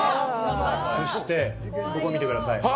そして、ここ見てください。